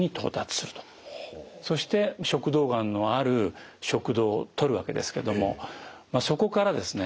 そして食道がんのある食道を取るわけですけどもそこからですね